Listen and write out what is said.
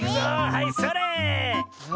はいそれっ！